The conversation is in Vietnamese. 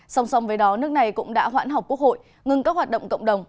song song với đó nước này cũng đã hoãn học quốc hội ngừng các hoạt động cộng đồng